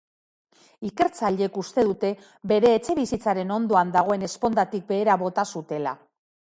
Ikertzaileek uste dute bere etxebizitzaren ondoan dagoen ezpondatik behera bota zutela.